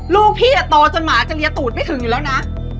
ลูกพี่โตจนหมาจะเรียนตูดไม่ถึงอยู่แล้วนะ